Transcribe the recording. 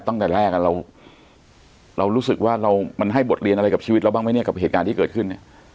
ตั้งแต่แรกเรารู้สึกว่าเรามันให้บทเรียนอะไรกับชีวิตเราบ้างไหมเนี่ยกับเหตุการณ์ที่เกิดขึ้นเนี่ย